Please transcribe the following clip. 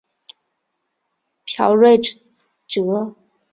卜睿哲。